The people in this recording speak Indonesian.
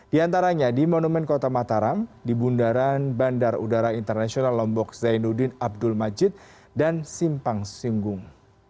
di antaranya di monumen kota mataram di bundaran bandar udara internasional lombok zainuddin abdul majid dan simpang singgung